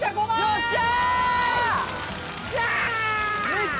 よっしゃ！